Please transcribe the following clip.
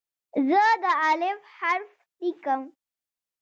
زه د "الف" حرف لیکم.